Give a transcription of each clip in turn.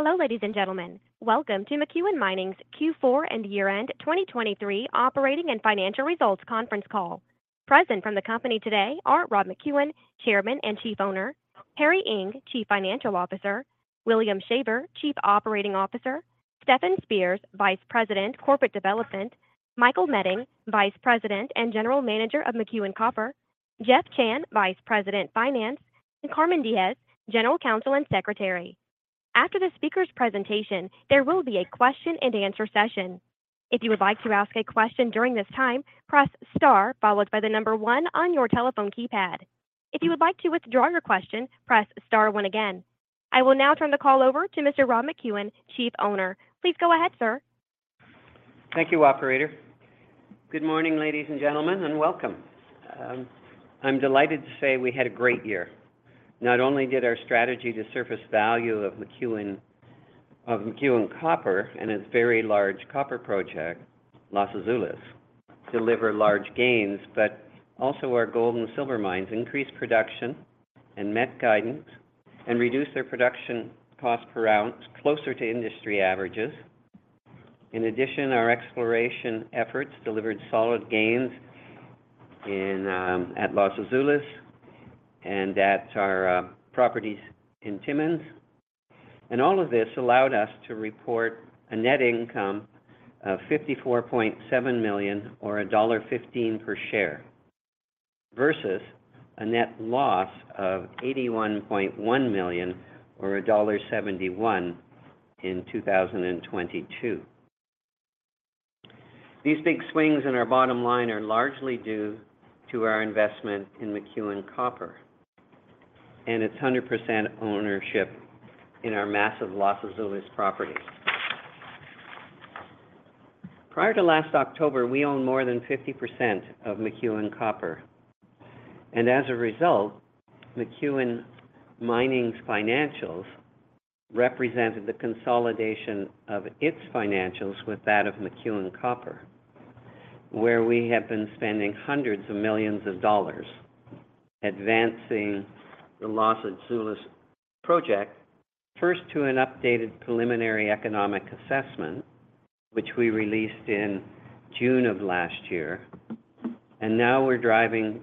Hello ladies and gentlemen, welcome to McEwen Mining's Q4 and year-end 2023 operating and financial results conference call. Present from the company today are Rob McEwen, Chairman and Chief Owner; Perry Ing, Chief Financial Officer; William Shaver, Chief Operating Officer; Stefan Spears, Vice President, Corporate Development; Michael Meding, Vice President and General Manager of McEwen Copper; Jeff Chan, Vice President, Finance; and Carmen Diges, General Counsel and Secretary. After the speaker's presentation, there will be a question-and-answer session. If you would like to ask a question during this time, press star followed by the number one on your telephone keypad. If you would like to withdraw your question, press star one again. I will now turn the call over to Mr. Rob McEwen, Chief Owner. Please go ahead, sir. Thank you, operator. Good morning, ladies and gentlemen, and welcome. I'm delighted to say we had a great year. Not only did our strategy to surface value of McEwen of McEwen Copper and its very large copper project, Los Azules, deliver large gains, but also our gold and silver mines increased production and met guidance and reduced their production cost per ounce closer to industry averages. In addition, our exploration efforts delivered solid gains at Los Azules and at our properties in Timmins. All of this allowed us to report a net income of $54.7 million or $1.15 per share versus a net loss of $81.1 million or $1.71 in 2022. These big swings in our bottom line are largely due to our investment in McEwen Copper and its 100% ownership in our massive Los Azules property. Prior to last October, we owned more than 50% of McEwen Copper. As a result, McEwen Mining's financials represented the consolidation of its financials with that of McEwen Copper, where we have been spending hundreds of millions of dollars advancing the Los Azules project, first to an updated Preliminary Economic Assessment, which we released in June of last year. Now we're driving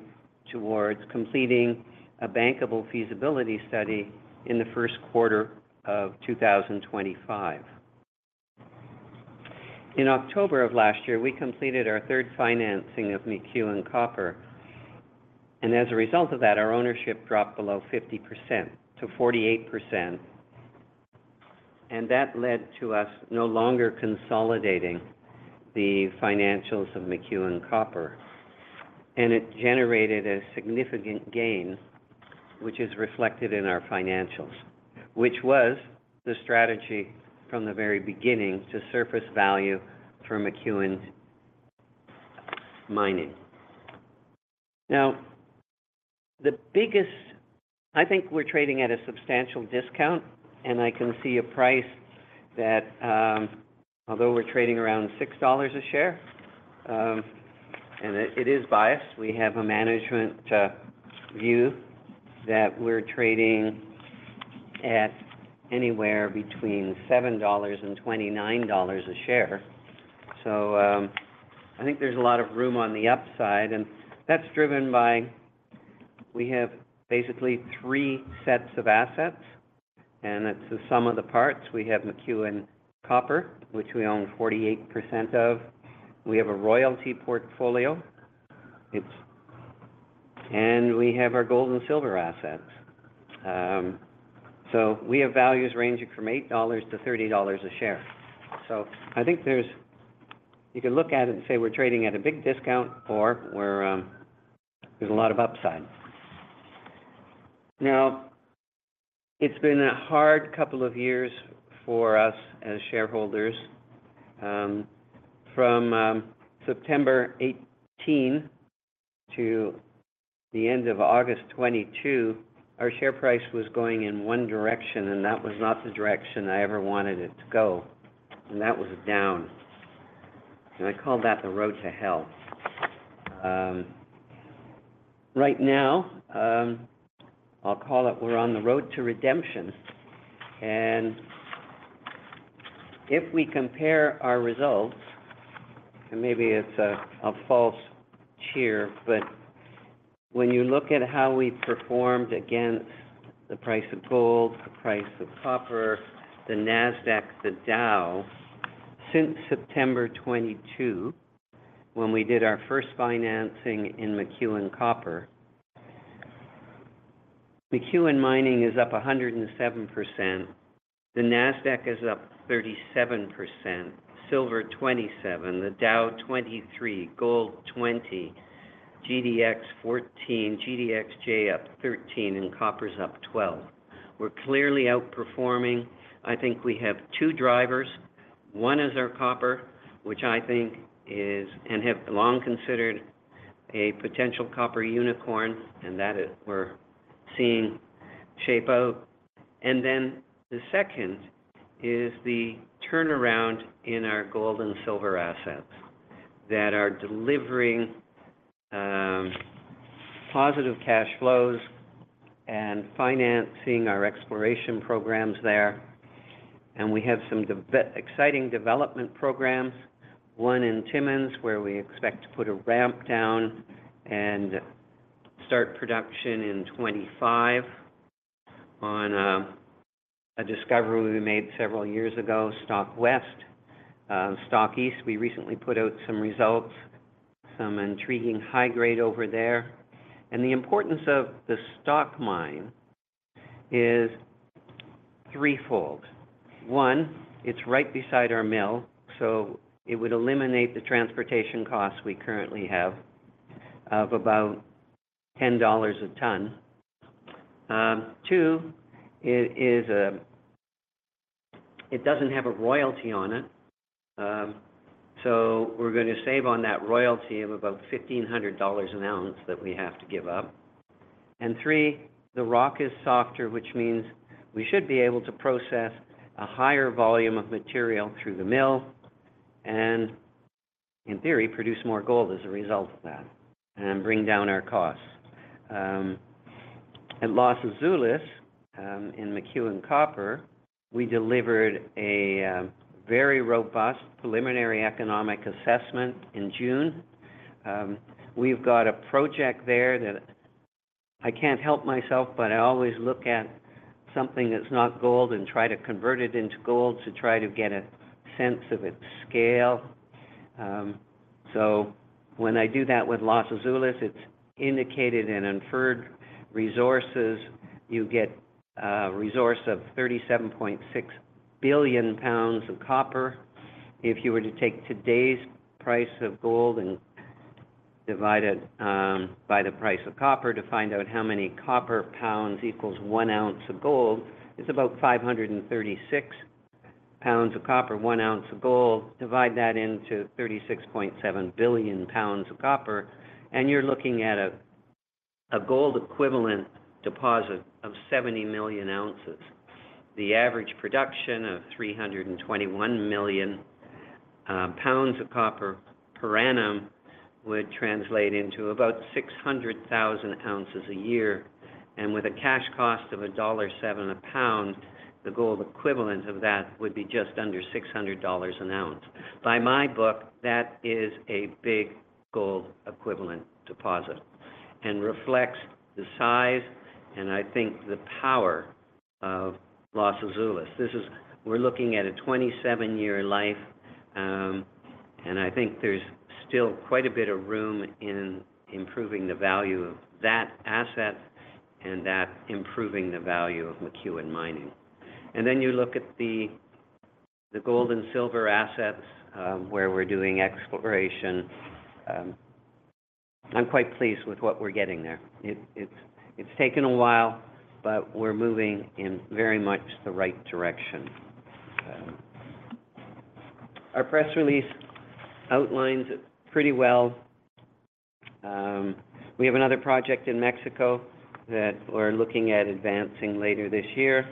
towards completing a Bankable Feasibility Study in the first quarter of 2025. In October of last year, we completed our third financing of McEwen Copper. As a result of that, our ownership dropped below 50% to 48%. That led to us no longer consolidating the financials of McEwen Copper. It generated a significant gain, which is reflected in our financials, which was the strategy from the very beginning to surface value for McEwen Mining. Now, the biggest, I think, we're trading at a substantial discount. I can see a price that, although we're trading around $6 a share, and it, it is biased. We have a management view that we're trading at anywhere between $7-$29 a share. So, I think there's a lot of room on the upside. That's driven by we have basically three sets of assets. That's the sum of the parts. We have McEwen Copper, which we own 48% of. We have a royalty portfolio. It's and we have our gold and silver assets. So we have values ranging from $8-$30 a share. So I think there's, you can look at it and say we're trading at a big discount or we're, there's a lot of upside. Now, it's been a hard couple of years for us as shareholders. From September 2018 to the end of August 2022, our share price was going in one direction. And that was not the direction I ever wanted it to go. And that was down. And I call that the road to hell. Right now, I'll call it we're on the road to redemption. And if we compare our results and maybe it's a false cheer, but when you look at how we performed against the price of gold, the price of copper, the NASDAQ, the Dow, since September 2022, when we did our first financing in McEwen Copper, McEwen Mining is up 107%. The NASDAQ is up 37%. Silver, 27%. The Dow, 23%. Gold, 20%. GDX, 14%. GDXJ, up 13%. And copper's up 12%. We're clearly outperforming. I think we have two drivers. One is our copper, which I think is and have long considered a potential copper unicorn. And that is we're seeing shape out. And then the second is the turnaround in our gold and silver assets that are delivering positive cash flows and financing our exploration programs there. And we have some exciting development programs, one in Timmins, where we expect to put a ramp down and start production in 2025 on a discovery we made several years ago, Stock West. Stock East, we recently put out some results, some intriguing high grade over there. And the importance of the Stock mine is threefold. One, it's right beside our mill. So it would eliminate the transportation costs we currently have of about $10 a ton. Two, it is, it doesn't have a royalty on it. So we're gonna save on that royalty of about $1,500 an ounce that we have to give up. And three, the rock is softer, which means we should be able to process a higher volume of material through the mill and, in theory, produce more gold as a result of that and bring down our costs. At Los Azules, in McEwen Copper, we delivered a very robust preliminary economic assessment in June. We've got a project there that I can't help myself, but I always look at something that's not gold and try to convert it into gold to try to get a sense of its scale. So when I do that with Los Azules, it's its indicated and inferred resources. You get a resource of 37.6 billion pounds of copper. If you were to take today's price of gold and divide it by the price of copper to find out how many copper pounds equals one ounce of gold, it's about 536 pounds of copper, one ounce of gold. Divide that into 36.7 billion pounds of copper. And you're looking at a gold equivalent deposit of 70 million ounces. The average production of 321 million pounds of copper per annum would translate into about 600,000 ounces a year. And with a cash cost of $1.07 a pound, the gold equivalent of that would be just under $600 an ounce. By my book, that is a big gold equivalent deposit and reflects the size and I think the power of Los Azules. This is we're looking at a 27-year life. And I think there's still quite a bit of room in improving the value of that asset and that improving the value of McEwen Mining. And then you look at the gold and silver assets, where we're doing exploration. I'm quite pleased with what we're getting there. It's taken a while, but we're moving in very much the right direction. Our press release outlines it pretty well. We have another project in Mexico that we're looking at advancing later this year.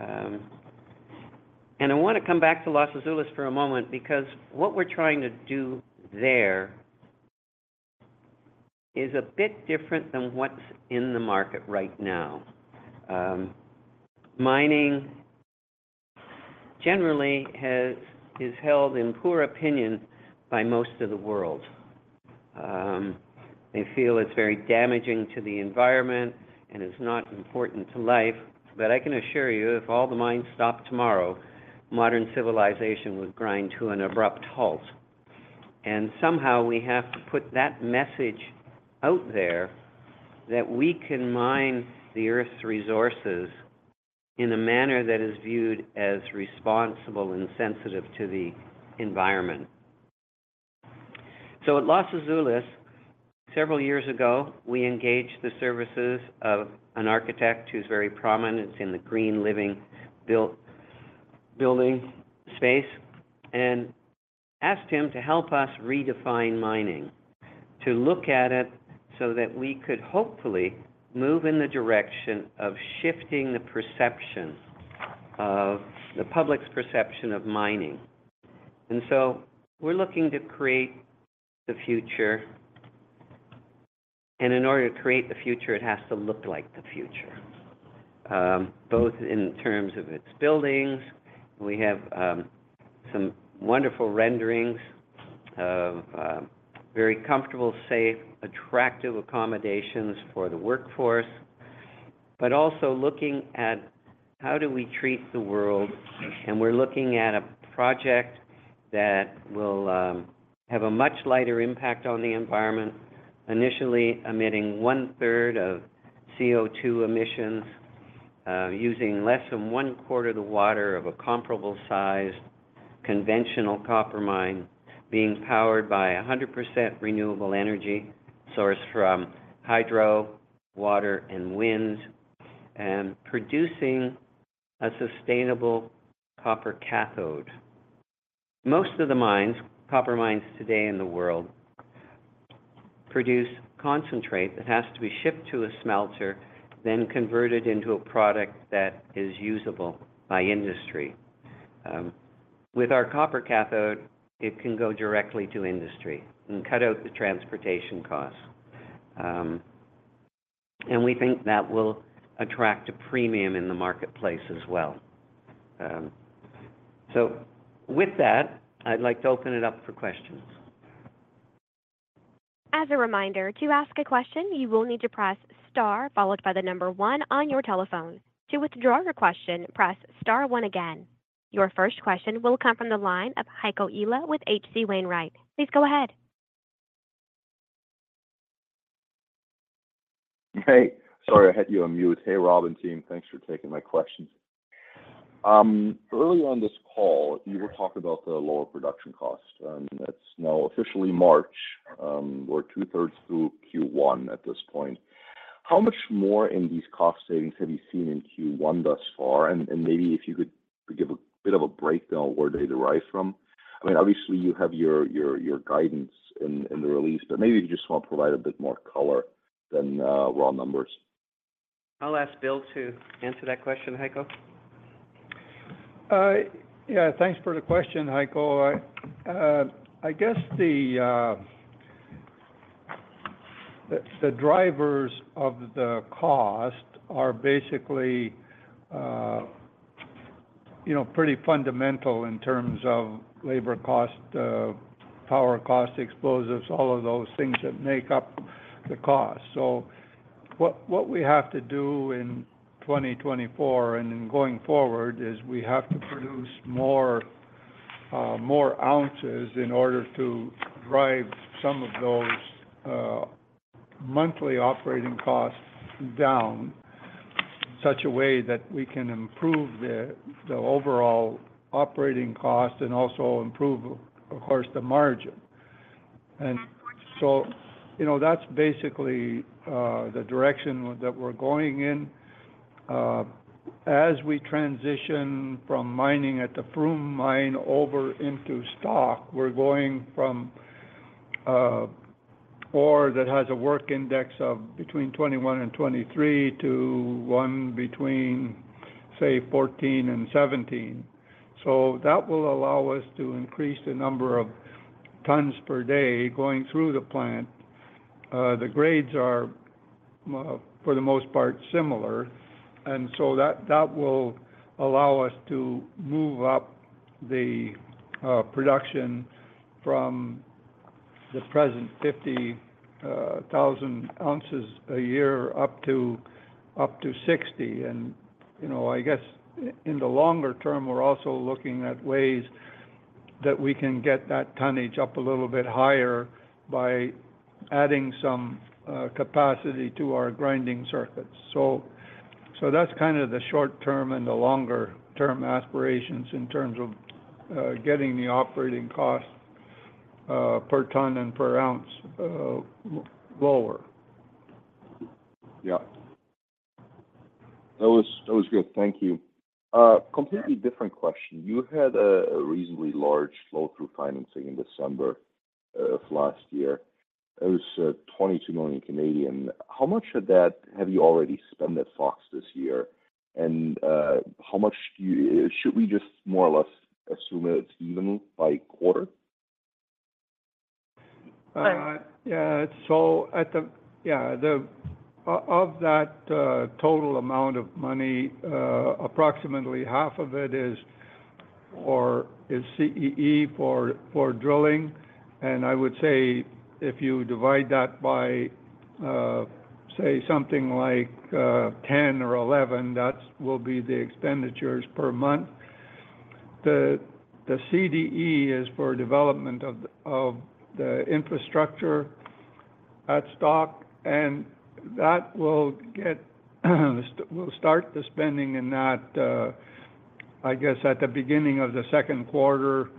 I wanna come back to Los Azules for a moment because what we're trying to do there is a bit different than what's in the market right now. Mining generally is held in poor opinion by most of the world. They feel it's very damaging to the environment and is not important to life. But I can assure you, if all the mines stopped tomorrow, modern civilization would grind to an abrupt halt. And somehow, we have to put that message out there that we can mine the Earth's resources in a manner that is viewed as responsible and sensitive to the environment. So at Los Azules, several years ago, we engaged the services of an architect who's very prominent in the green living built building space and asked him to help us redefine mining, to look at it so that we could hopefully move in the direction of shifting the public's perception of mining. And so we're looking to create the future. And in order to create the future, it has to look like the future, both in terms of its buildings. We have some wonderful renderings of very comfortable, safe, attractive accommodations for the workforce, but also looking at how do we treat the world. We're looking at a project that will have a much lighter impact on the environment, initially emitting one-third of CO2 emissions, using less than one-quarter of the water of a comparable-sized conventional copper mine, being powered by 100% renewable energy source from hydro, water, and winds, and producing a sustainable copper cathode. Most of the mines, copper mines today in the world, produce concentrate that has to be shipped to a smelter, then converted into a product that is usable by industry. With our copper cathode, it can go directly to industry and cut out the transportation costs. And we think that will attract a premium in the marketplace as well. So with that, I'd like to open it up for questions. As a reminder, to ask a question, you will need to press star followed by the number one on your telephone. To withdraw your question, press star one again. Your first question will come from the line of Heiko Ihle with H.C. Wainwright. Please go ahead. Hey. Sorry I had you on mute. Hey, Rob and team. Thanks for taking my questions. Earlier on this call, you were talking about the lower production cost. It's now officially March. We're two-thirds through Q1 at this point. How much more in these cost savings have you seen in Q1 thus far? And maybe if you could give a bit of a breakdown, where do they derive from? I mean, obviously, you have your guidance in the release. But maybe if you just wanna provide a bit more color than raw numbers. I'll ask Bill to answer that question, Heiko. Yeah. Thanks for the question, Heiko. I guess the drivers of the cost are basically, you know, pretty fundamental in terms of labor cost, power cost, explosives, all of those things that make up the cost. So what we have to do in 2024 and in going forward is we have to produce more ounces in order to drive some of those monthly operating costs down in such a way that we can improve the overall operating cost and also improve, of course, the margin. And so, you know, that's basically the direction that we're going in. As we transition from mining at the Froome mine over into Stock, we're going from ore that has a Work Index of between 21-23 to one between, say, 14-17. So that will allow us to increase the number of tons per day going through the plant. The grades are, for the most part, similar. And so that, that will allow us to move up the production from the present 50,000 ounces a year up to, up to 60,000. And, you know, I guess in, in the longer term, we're also looking at ways that we can get that tonnage up a little bit higher by adding some capacity to our grinding circuits. So, so that's kinda the short-term and the longer-term aspirations in terms of getting the operating cost per ton and per ounce lower. Yeah. That was, that was good. Thank you. Completely different question. You had a reasonably large flow-through financing in December of last year. It was 22 million. How much of that have you already spent at Fox this year? And, how much do you should we just more or less assume that it's even by quarter? Yeah. So of that total amount of money, approximately half of it is for CEE for drilling. And I would say if you divide that by, say, something like 10 or 11, that will be the expenditures per month. The CDE is for development of the infrastructure at Stock. And that will start the spending in that, I guess, at the beginning of the second quarter.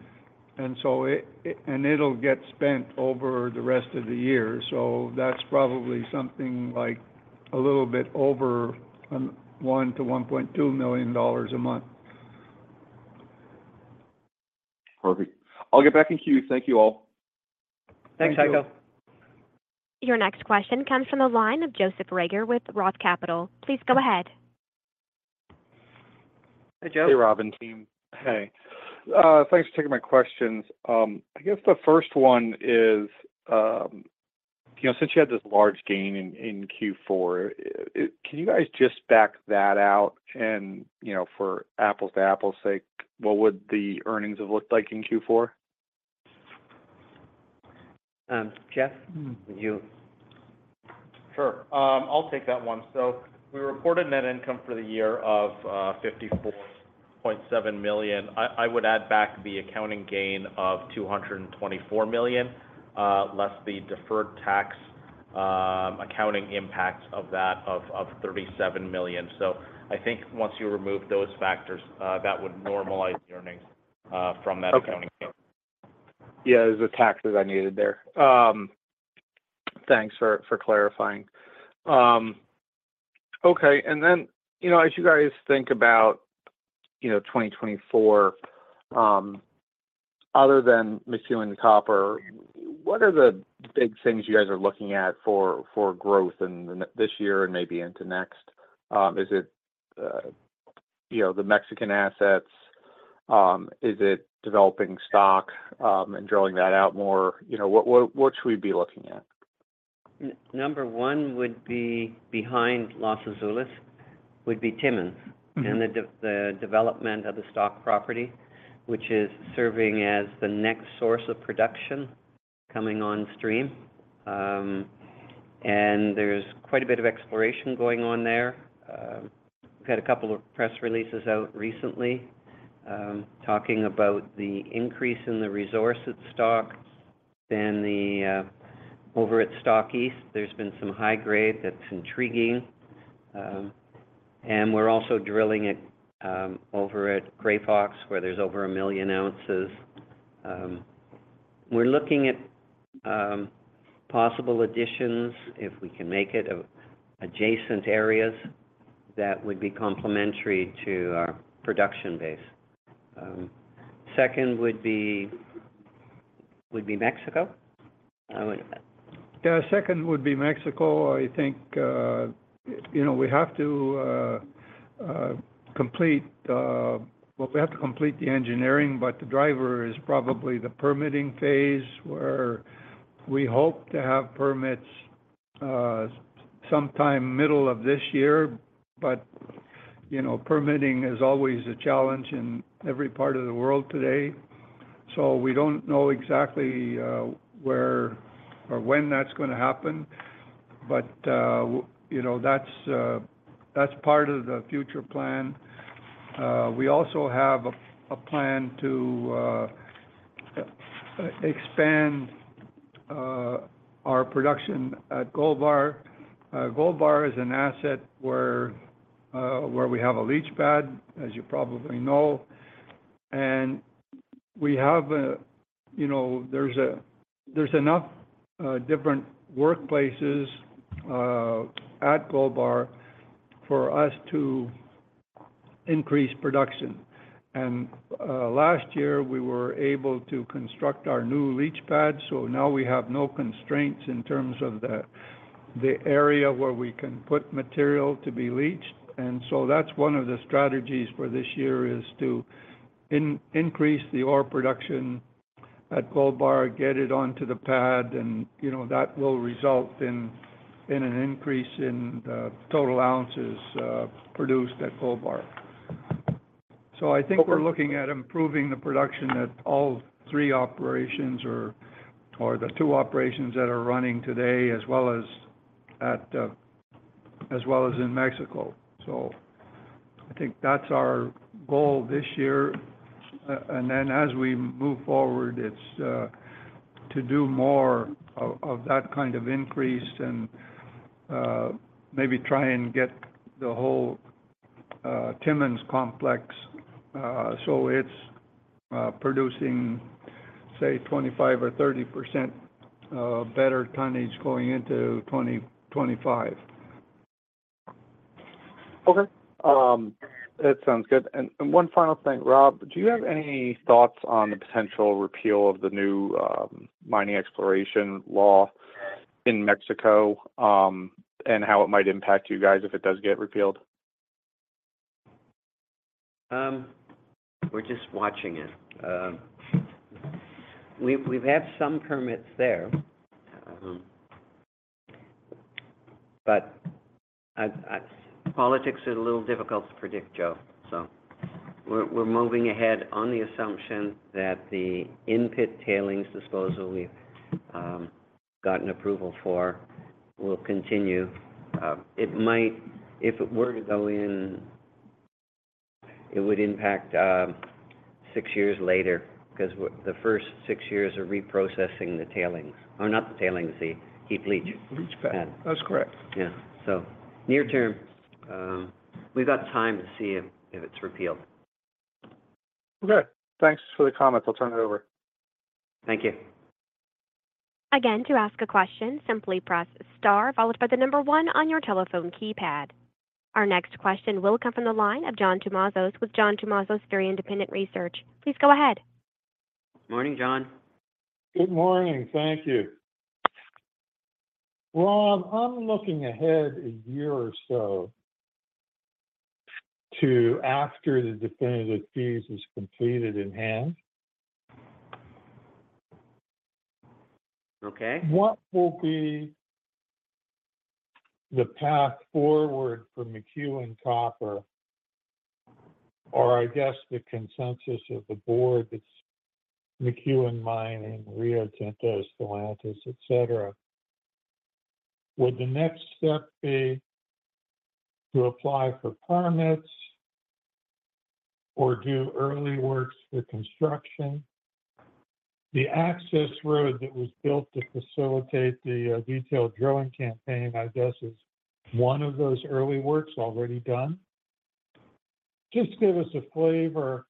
And so it and it'll get spent over the rest of the year. So that's probably something like a little bit over $1-$1.2 million a month. Perfect. I'll get back in queue. Thank you all. Thanks, Heiko. Your next question comes from the line of Joseph Reagor with Roth Capital. Please go ahead. Hey, Joe. Hey, Rob and team. Hey. Thanks for taking my questions. I guess the first one is, you know, since you had this large gain in Q4, can you guys just back that out? You know, for apples to apples' sake, what would the earnings have looked like in Q4? Stef, you— Sure. I'll take that one. So we reported net income for the year of $54.7 million. I would add back the accounting gain of $224 million, less the deferred tax accounting impact of that of $37 million. So I think once you remove those factors, that would normalize the earnings from that accounting gain. Okay. Yeah. It was the taxes I needed there. Thanks for clarifying. Okay. And then, you know, as you guys think about, you know, 2024, other than McEwen Copper, what are the big things you guys are looking at for growth in this year and maybe into next? Is it, you know, the Mexican assets? Is it developing Stock, and drilling that out more? You know, what should we be looking at? Number one would be behind Los Azules would be Timmins and the development of the Stock property, which is serving as the next source of production coming on stream. And there's quite a bit of exploration going on there. We've had a couple of press releases out recently, talking about the increase in the resource at Stock. Then the, over at Stock East, there's been some high grade that's intriguing. And we're also drilling at, over at Grey Fox where there's over a million ounces. We're looking at, possible additions, if we can make it, of adjacent areas that would be complementary to our production base. Second would be Mexico. I would. Yeah. Second would be Mexico. I think, you know, we have to complete, well, we have to complete the engineering. But the driver is probably the permitting phase where we hope to have permits, sometime middle of this year. But, you know, permitting is always a challenge in every part of the world today. So we don't know exactly, where or when that's gonna happen. But, you know, that's, that's part of the future plan. We also have a, a plan to, expand, our production at Gold Bar. Gold Bar is an asset where, where we have a leach pad, as you probably know. And we have a you know, there's enough, different workplaces, at Gold Bar for us to increase production. And, last year, we were able to construct our new leach pad. So now we have no constraints in terms of the area where we can put material to be leached. And so that's one of the strategies for this year is to increase the ore production at Gold Bar, get it onto the pad. And, you know, that will result in an increase in the total ounces produced at Gold Bar. So I think we're looking at improving the production at all three operations or the two operations that are running today as well as in Mexico. So I think that's our goal this year. And then as we move forward, it's to do more of that kind of increase and maybe try and get the whole Timmins complex so it's producing, say, 25% or 30% better tonnage going into 2025. Okay. That sounds good. And, and one final thing, Rob. Do you have any thoughts on the potential repeal of the new mining exploration law in Mexico, and how it might impact you guys if it does get repealed? We're just watching it. We've had some permits there. But politics are a little difficult to predict, Joe. So we're moving ahead on the assumption that the in-pit tailings disposal we've gotten approval for will continue. It might if it were to go in; it would impact 6 years later 'cause the first 6 years are reprocessing the tailings or not the tailings, the heap leach pad. Leach pad. That's correct. Yeah. So near term, we've got time to see if, if it's repealed. Okay. Thanks for the comments. I'll turn it over. Thank you. Again, to ask a question, simply press star followed by the number one on your telephone keypad. Our next question will come from the line of John Tumazos with John Tumazos Very Independent Research. Please go ahead. Morning, John. Good morning. Thank you. Rob, I'm looking ahead a year or so to after the definitive feasibility is completed in hand. Okay. What will be the path forward for McEwen Copper or I guess the consensus of the board that's McEwen Mining, Rio Tinto, Stellantis, etc.? Would the next step be to apply for permits or do early works for construction? The access road that was built to facilitate the detailed drilling campaign, I guess, is one of those early works already done? Just give us a flavor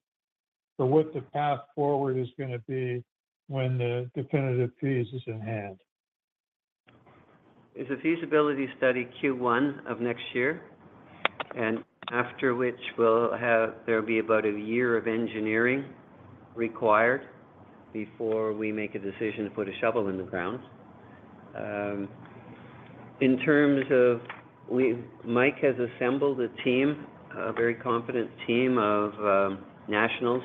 for what the path forward is gonna be when the definitive feasibility is in hand. It's a feasibility study Q1 of next year, and after which, we'll have there'll be about a year of engineering required before we make a decision to put a shovel in the ground. In terms of we've Mike has assembled a team, a very confident team of nationals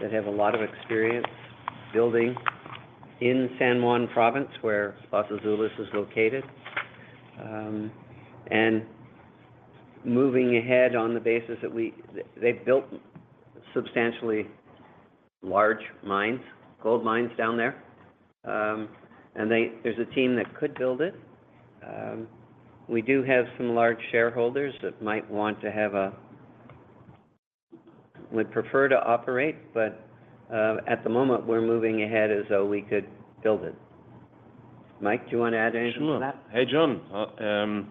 that have a lot of experience building in San Juan Province where Los Azules is located, and moving ahead on the basis that we they've built substantially large mines, gold mines down there. And there's a team that could build it. We do have some large shareholders that might want to have a would prefer to operate. But at the moment, we're moving ahead as though we could build it. Mike, do you wanna add anything to that? Sure. Hey, John.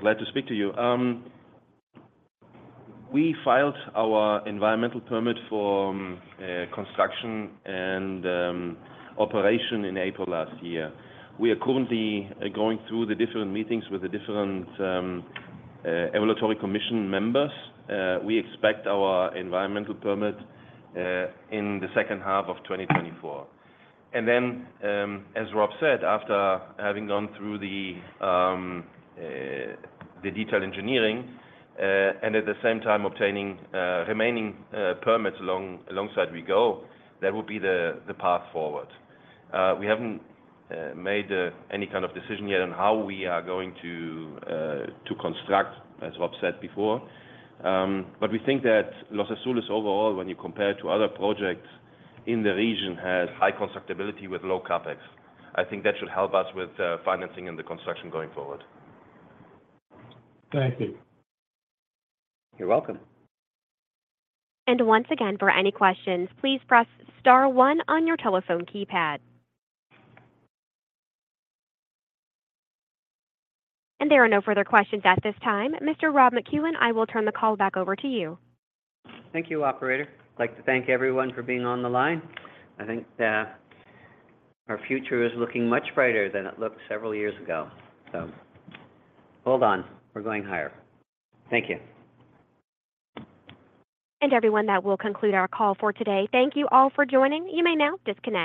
Glad to speak to you. We filed our environmental permit for construction and operation in April last year. We are currently going through the different meetings with the different evaluatory commission members. We expect our environmental permit in the second half of 2024. And then, as Rob said, after having gone through the detailed engineering, and at the same time obtaining remaining permits alongside as we go, that would be the path forward. We haven't made any kind of decision yet on how we are going to construct, as Rob said before. But we think that Los Azules overall, when you compare it to other projects in the region, has high constructibility with low CapEx. I think that should help us with financing and the construction going forward. Thank you. You're welcome. Once again, for any questions, please press star one on your telephone keypad. There are no further questions at this time. Mr. Rob McEwen, I will turn the call back over to you. Thank you, operator. I'd like to thank everyone for being on the line. I think, our future is looking much brighter than it looked several years ago. So hold on. We're going higher. Thank you. Everyone, that will conclude our call for today. Thank you all for joining. You may now disconnect.